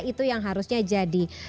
itu yang harusnya jadi